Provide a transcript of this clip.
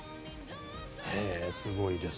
すごいです。